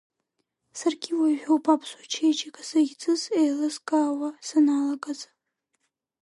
Саргьы уажәоуп Аԥсуа чеиџьыка захьӡыз еилыскаауа саналагаз.